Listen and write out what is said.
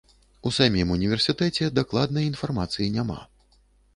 У самім універсітэце дакладнай інфармацыі няма.